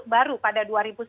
baru pada dua ribu sembilan belas